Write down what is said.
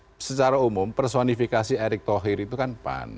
karena secara umum personifikasi erick thohir itu kan pan